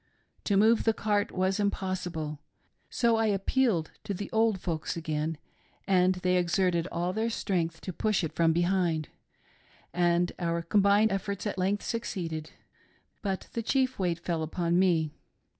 To move the cart was impossible, so I appealed to the old folks again, and they exerted all their strength to push it from behind, and our combined efforts at length succeeded ; but th6 chief weight fell upon me.